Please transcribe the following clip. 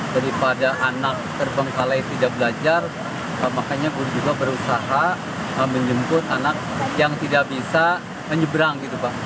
daripada anak terpengkalai tidak belajar makanya guru juga berusaha menjemput anak yang tidak bisa menyeberang